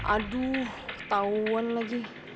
aduh ketauan lagi